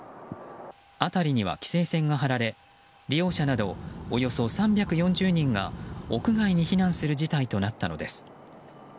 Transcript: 辺りには規制線が張られ利用者などおよそ３４０人が屋外に避難する事態となったのです。